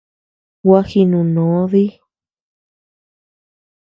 Gua jinuno dí.